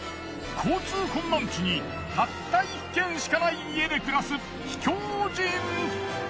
交通困難地にたった１軒しかない家で暮らす秘境人！